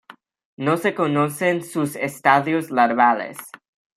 No se conocen sus estadios larvales.